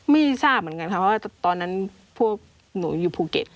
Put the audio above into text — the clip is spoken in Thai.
ไม่ทราบเหมือนกันค่ะเพราะว่าตอนนั้นพวกหนูอยู่ภูเก็ต